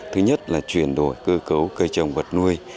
thứ nhất là chuyển đổi cơ cấu cây trồng vật nuôi